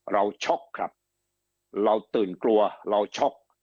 ช็อกครับเราตื่นกลัวเราช็อก